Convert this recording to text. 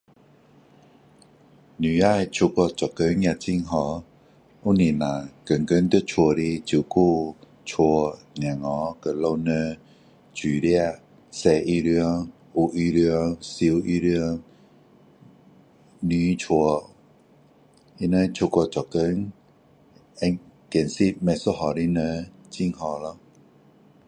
女人出去做工也很好不是说每天在家的照顾家小孩和老人煮饭洗衣服烫衣服收衣服抹屋子他们出去做工会见识不一样的人很好咯